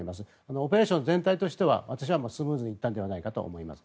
オペレーション全体としては私はスムーズにいったと思います。